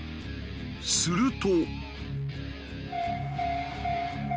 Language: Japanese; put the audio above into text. すると。